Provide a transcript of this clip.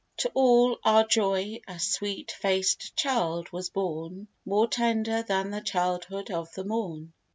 To all our joy, a sweet faced child was born, More tender than the childhood of the morn.